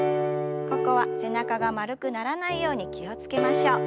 ここは背中が丸くならないように気を付けましょう。